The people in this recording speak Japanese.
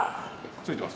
ついてます